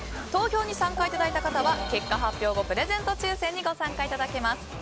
投票に参加いただい方は結果発表後プレゼント抽選にご参加いただけます。